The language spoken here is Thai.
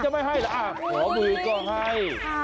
มองมือก็ให้